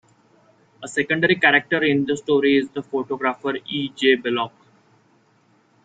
A secondary character in the story is the photographer E. J. Bellocq.